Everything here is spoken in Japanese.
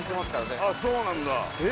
あっそうなんだえっ